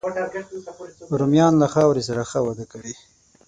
رومیان له خاورې سره ښه وده کوي